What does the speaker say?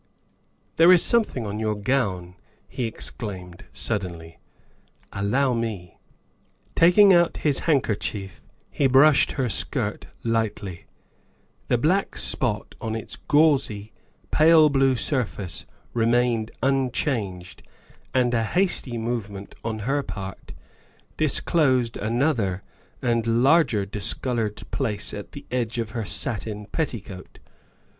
" There is something on your gown," he exclaimed suddenly, '' allow me. '' Taking out his handkerchief he brushed her skirt lightly. The black spot on its gauzy, pale blue surface remained unchanged and a hasty movement on her part disclosed another and larger discolored place at the edge of her satin petticoat.